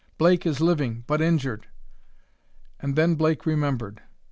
Blake is living but injured...." And then Blake remembered.